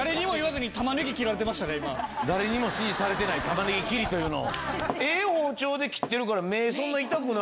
誰にも指示されてない玉ねぎ切りというのを。